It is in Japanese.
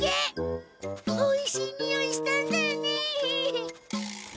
おいしいにおいしたんだよね。